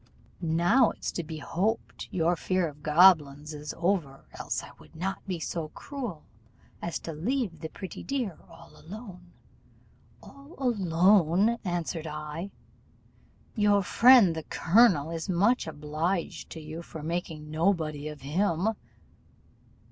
Now it's to be hoped your fear of goblins is over, else I would not be so cruel as to leave the pretty dear all alone.' 'All alone!' answered I: 'your friend the colonel is much obliged to you for making nobody of him.